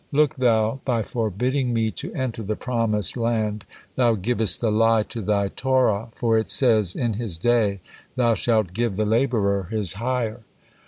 Look Thou, by forbidding me to enter the promised land, Thou givest the lie to Thy Torah, for it says, 'In his day thou shalt give the laborer his hire.'